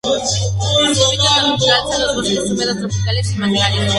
Su hábitat natural son los bosques húmedos tropicales y los manglares.